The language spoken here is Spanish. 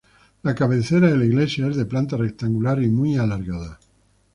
La cabecera de la iglesia es de planta rectangular y muy alargada.